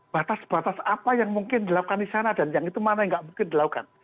batas batas apa yang mungkin dilakukan di sana dan yang itu mana yang tidak mungkin dilakukan